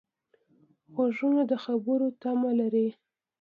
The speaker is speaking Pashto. غوږونه د خبرېدو تمه لري